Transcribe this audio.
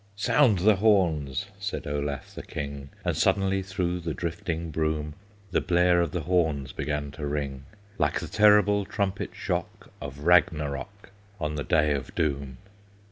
"Sound the horns!" said Olaf the King; And suddenly through the drifting brume The blare of the horns began to ring, Like the terrible trumpet shock Of Regnarock, On the Day of Doom!